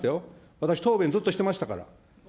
私、答弁ずっとしてましたから。